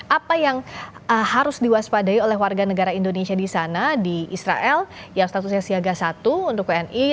apa yang harus diwaspadai oleh warga negara indonesia di sana di israel yang statusnya siaga satu untuk wni